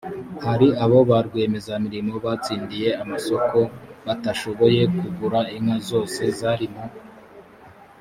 hari aho ba rwiyemezamirimo batsindiye amasoko batashoboye kugura inka zose zari mu